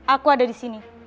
aku ada di sini